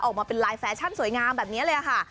ออกมาเป็นลายแฟชั่นสวยงามแบบนี้เลยค่ะ